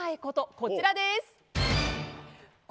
こちらです。